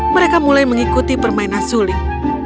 mereka mulai mengikuti permainan sulit